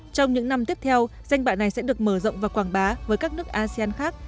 trong những năm tiếp theo danh bạ này sẽ được mở rộng và quảng bá với các nước asean khác